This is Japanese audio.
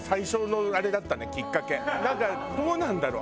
なんかどうなんだろう？